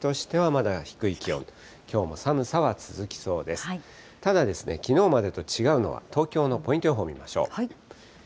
ただですね、きのうまでと違うのは、東京のポイント予報見ましょう。